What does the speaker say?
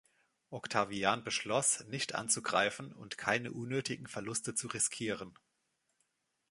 Octavian beschloss, nicht anzugreifen und keine unnötigen Verluste zu riskieren.